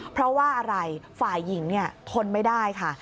เพราะว่าอะไรฝ่ายหญิงทนไม่ได้ค่ะ